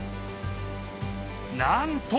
なんと！